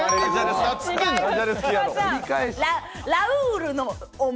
ラウールのお面。